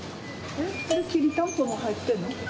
きりたんぽも入ってるの？